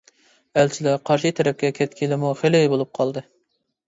ئەلچىلەر قارشى تەرەپكە كەتكىلىمۇ خېلى بولۇپ قالدى.